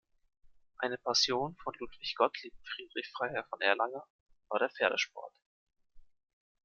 Eine Passion von Ludwig Gottlieb Friedrich Freiherr von Erlanger war der Pferdesport.